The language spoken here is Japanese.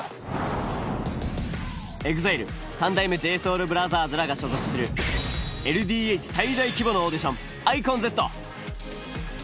ＥＸＩＬＥ三代目ＪＳＯＵＬＢＲＯＴＨＥＲＳらが所属するＬＤＨ最大規模のオーディションｉＣＯＮＺ。